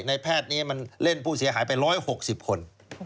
แพทย์นี้มันเล่นผู้เสียหายไป๑๖๐คน